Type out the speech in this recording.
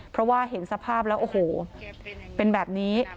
เพราะว่าเห็นสภาพแล้วโอ้โหเป็นแบบนี้